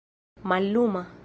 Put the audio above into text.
malluma